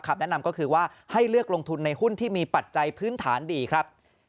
แนะนำก็คือว่าให้เลือกลงทุนในหุ้นที่มีปัจจัยพื้นฐานดีครับ